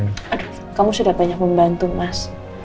aduh kamu sudah banyak membantu mas